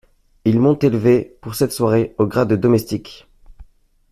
Ils m'ont élevé, pour cette soirée, au grade de domestique !